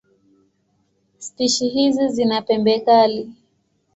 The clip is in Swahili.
Spishi hizi zina pembe kali.